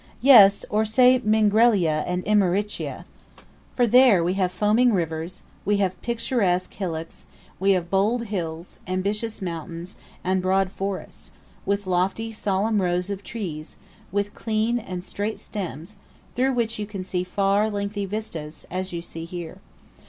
Yes; or say Mingrelia and Imeritia. For there we have foaming rivers; we have picturesque hillocks; we have bold hills, ambitious mountains, and broad forests, with lofty solemn rows of trees, with clean straight stems, through which you can see far, lengthy vistas, as you see here.